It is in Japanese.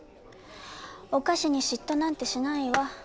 お菓子に嫉妬なんてしないわ。